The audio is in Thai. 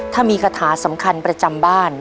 ถ้ามีคาถาสำคัญประจำบ้าน